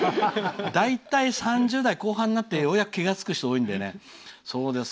大体３０代後半になってようやく気が付く人が多いんだよ。